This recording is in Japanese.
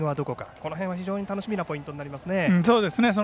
この辺は非常に楽しみなポイントになりますね。